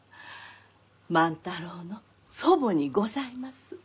万太郎の祖母にございます。